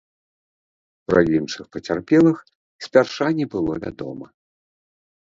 Пра іншых пацярпелых спярша не было вядома.